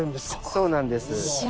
そうなんです。